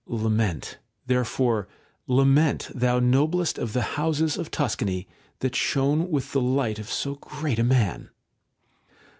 Lament, therefore, lament, thou noblest of the houses of Tuscany, that shone with the light of so great a man